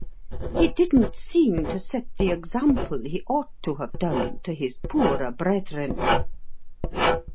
"He didn't seem to set the example he ought to have done to his poorer brethren."